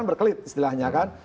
berkelit istilahnya kan